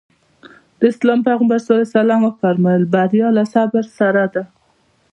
د اسلام پيغمبر ص وفرمايل بريا له صبر سره ده.